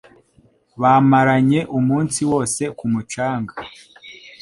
Bamaranye umunsi wose ku mucanga.